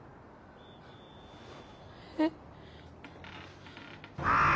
えっ。